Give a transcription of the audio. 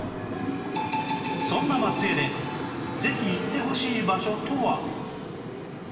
そんな松江でぜひ行ってほしい場所とは？